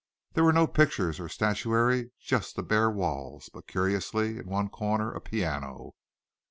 There were no pictures or statuary just the bare walls but curiously, in one corner, a piano.